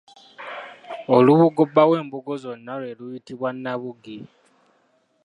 Olubugo bba w’embugo zonna lwe luyitibwa Nabugi.